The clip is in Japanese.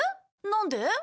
なんで？